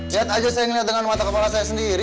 lihat aja saya ngeliat dengan mata kepala saya sendiri